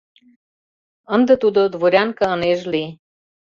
Ынде тудо дворянка ынеж лий